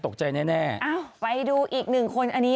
ได้ดูอีกหนึ่งคน